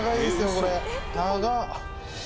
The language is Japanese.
これ長っ！